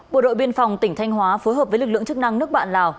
bộ đội biên phòng tỉnh thanh hóa phối hợp với lực lượng chức năng nước bạn lào